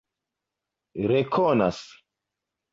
rekonas